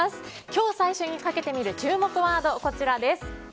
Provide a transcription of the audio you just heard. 今日最初にかけてみる注目ワード、こちらです。